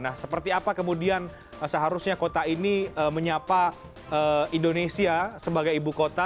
nah seperti apa kemudian seharusnya kota ini menyapa indonesia sebagai ibu kota